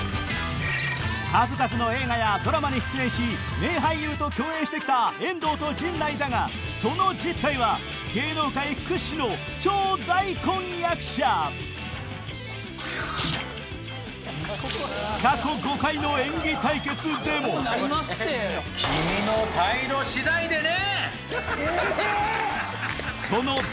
数々の映画やドラマに出演し名俳優と共演してきた遠藤と陣内だがその実態は芸能界屈指の超大根役者君の態度次第でね！